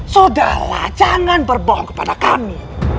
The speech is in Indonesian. sudahlah jangan berbohong kepada kami